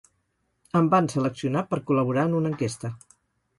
Em van seleccionar per col·laborar en una enquesta.